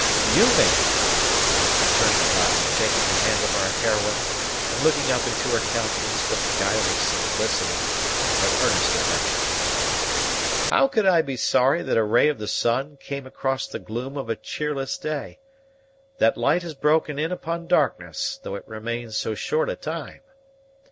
"You, Mabel!" returned the guide, taking the hand of our heroine and looking up into her countenance with guileless simplicity, but earnest affection; "How could I be sorry that a ray of the sun came across the gloom of a cheerless day that light has broken in upon darkness, though it remained so short a time?